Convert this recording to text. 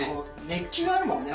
熱気があるもんね。